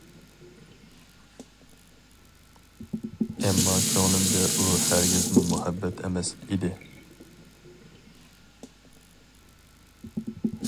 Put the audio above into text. ئەمما كۆڭلۈمدە ئۇ ھەرگىزمۇ مۇھەببەت ئەمەس ئىدى.